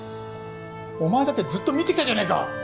お前だってずっと見てきたじゃねえか！